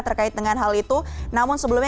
terkait dengan hal itu namun sebelumnya